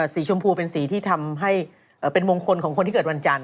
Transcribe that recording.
สีชมพูเป็นสีที่ทำให้เป็นมงคลของคนที่เกิดวันจันทร์